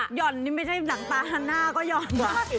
ห่อนนี่ไม่ใช่หนังตาฮาน่าก็ห่อนว่ะ